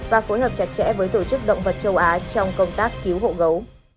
và phối hợp chặt chẽ với tổ chức động vật châu á trong công tác cứu hộ gấu